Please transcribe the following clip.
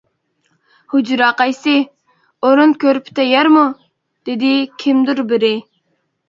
-ھۇجرا قايسى؟ ئورۇن كۆرپە تەييارمۇ؟ -دېدى كىمدۇر بېرى.